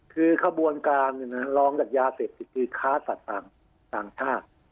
คือกระบวนการรองดักยาเสพคือค้าสัตว์ต่างท่า